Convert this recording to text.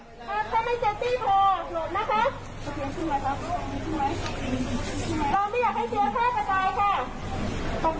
ถ้าไม่เจ็บที่พอหลบนะคะ